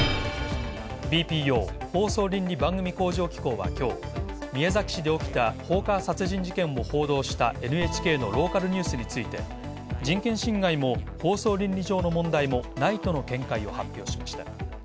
ＢＰＯ＝放送倫理・番組向上機構は今日、宮崎市で起きた放火殺人事件を報道したＮＨＫのローカルニュースについて人権侵害も放送倫理上の問題もないとの見解を発表しました。